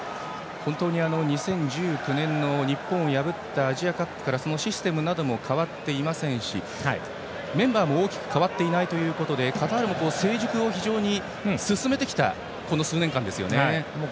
本当に２０１９年の日本を破ったアジアカップからシステムなども変わっていませんしメンバーも大きく変わっていないということでカタールも非常に成熟を進めてきたこの数年間ですね。